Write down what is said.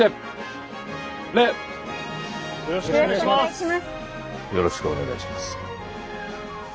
よろしくお願いします。